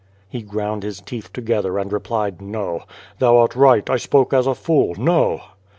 He ground his teeth together, and replied, "No. Thou art right. I spoke as a fool! No!"